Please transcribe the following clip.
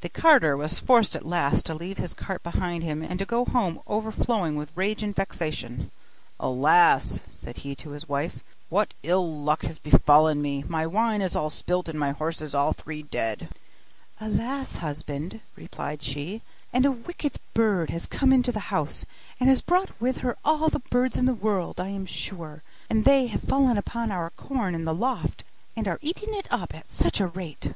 The carter was forced at last to leave his cart behind him, and to go home overflowing with rage and vexation. 'Alas!' said he to his wife, 'what ill luck has befallen me! my wine is all spilt, and my horses all three dead.' 'Alas! husband,' replied she, 'and a wicked bird has come into the house, and has brought with her all the birds in the world, I am sure, and they have fallen upon our corn in the loft, and are eating it up at such a rate!